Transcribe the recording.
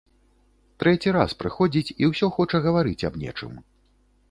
Трэці раз прыходзіць і ўсё хоча гаварыць аб нечым.